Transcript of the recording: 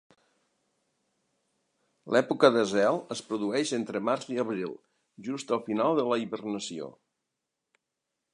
L'època de zel es produeix entre març i abril, just al final de la hibernació.